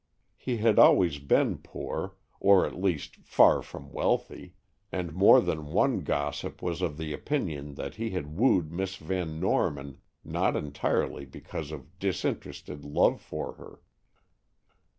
He had always been poor, or at least far from wealthy, and more than one gossip was of the opinion that he had wooed Miss Van Norman not entirely because of disinterested love for her.